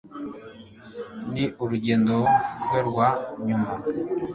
Ni urugendo rwe rwa nyuma